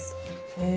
へえ。